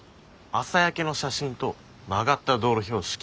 朝焼けの写真と曲がった道路標識。